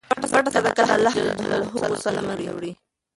پټه صدقه د اللهﷻ غصه له منځه وړي.